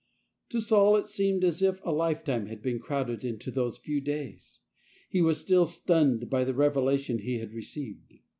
" WHY PERSECUTEST THOU ME ?" 23 | To Saul it seemed as if a lifetime had been crowded into those few days. He was still stunned by the revelation he had received.